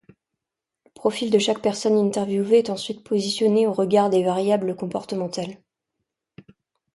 Le profil de chaque personne interviewée est ensuite positionné au regard des variables comportementales.